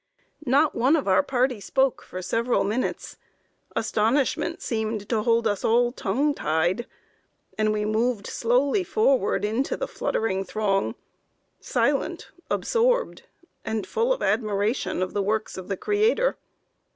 "Not one of our party spoke for several minutes. Astonishment seemed to hold us all tongue tied, and we moved slowly forward into the fluttering throng, silent, absorbed, and full of admiration of the works of the Creator.